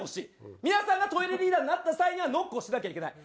皆さんがトイレリーダーになった際にはノックをしなきゃいけない。